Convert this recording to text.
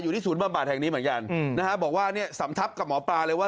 ที่ศูนย์บำบัดแห่งนี้เหมือนกันนะฮะบอกว่าเนี่ยสำทับกับหมอปลาเลยว่า